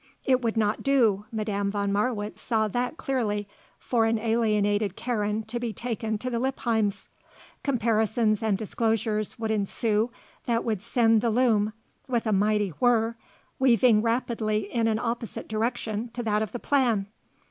It would not do, Madame von Marwitz saw that clearly, for an alienated Karen to be taken to the Lippheims'. Comparisons and disclosures would ensue that would send the loom, with a mighty whirr, weaving rapidly in an opposite direction to that of the plan.